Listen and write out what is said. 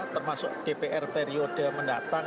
termasuk dpr periode mendatang